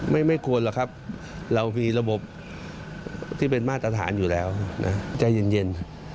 ไม่ควรหรอกครับเรามีระบบที่เป็นมาตรฐานอยู่แล้วนะใจเย็น